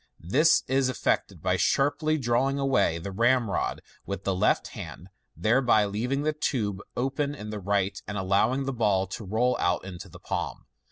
This is effected by sharply drawing away the ramrod with the left hand, thereby leaving the tube open in the right, and allowing the ball to roll out into the palm.